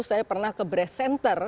saya pernah ke brass center